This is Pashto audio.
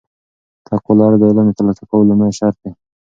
تقوا لرل د علم د ترلاسه کولو لومړی شرط دی.